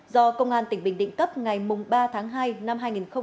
do công an tỉnh bình định cấp ngày ba tháng hai năm hai nghìn một mươi hai